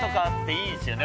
いいですね。